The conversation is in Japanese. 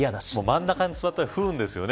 真ん中に座ったら不運ですよね。